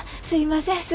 すいません。